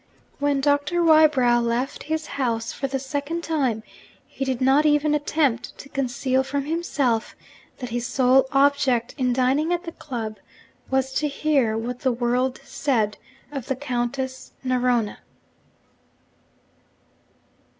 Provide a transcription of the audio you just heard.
When Doctor Wybrow left his house for the second time, he did not even attempt to conceal from himself that his sole object, in dining at the club, was to hear what the world said of the Countess Narona.